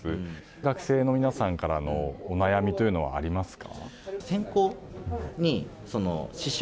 学生の皆さんからの悩みというのはありますか。